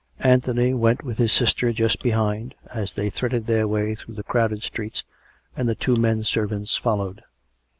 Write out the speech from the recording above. (Anthony went with his sister just behind, as they threaded their way through the crowded streets, and the two men servants followed.)